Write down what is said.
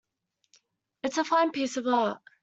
It's a fine piece of art.